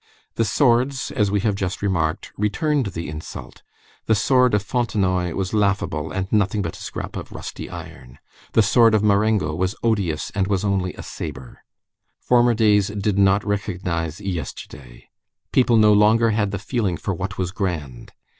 The swords, as we have just remarked, returned the insult; the sword of Fontenoy was laughable and nothing but a scrap of rusty iron; the sword of Marengo was odious and was only a sabre. Former days did not recognize Yesterday. People no longer had the feeling for what was grand.